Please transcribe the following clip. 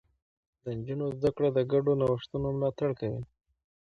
د نجونو زده کړه د ګډو نوښتونو ملاتړ کوي.